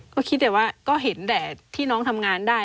ก็คิดแต่ว่าก็เห็นแต่ที่น้องทำงานได้